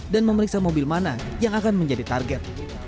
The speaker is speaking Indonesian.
dan memeriksa mobil mana yang akan menjadi target